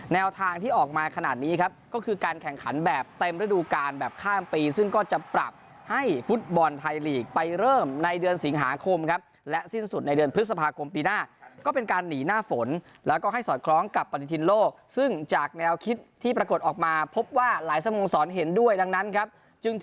แนวทางที่ออกมาขนาดนี้ครับก็คือการแข่งขันแบบเต็มฤดูการแบบข้ามปีซึ่งก็จะปรับให้ฟุตบอลไทยลีกไปเริ่มในเดือนสิงหาคมครับและสิ้นสุดในเดือนพฤษภาคมปีหน้าก็เป็นการหนีหน้าฝนแล้วก็ให้สอดคล้องกับปฏิทินโลกซึ่งจากแนวคิดที่ปรากฏออกมาพบว่าหลายสโมสรเห็นด้วยดังนั้นครับจึง